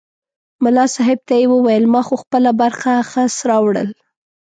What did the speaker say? ملا صاحب ته یې وویل ما خو خپله برخه خس راوړل.